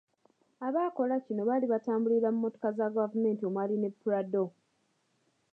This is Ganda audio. Abaakola kino baali batambulira mu mmotoka za gavumenti omwali ne Prado.